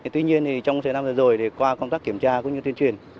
tuy nhiên trong thời gian vừa rồi qua công tác kiểm tra cũng như tuyên truyền